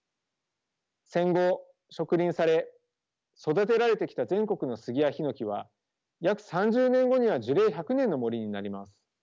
戦後植林され育てられてきた全国のスギやヒノキは約３０年後には樹齢１００年の森になります。